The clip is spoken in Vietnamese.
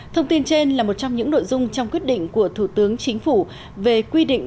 thông tin trên là một trong những nội dung trong quyết định của thủ tướng chính phủ về quy định